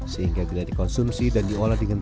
sehingga bila dikonsumsi dan diolah dengan